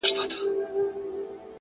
ژمنتیا د موخې او عمل پُل دی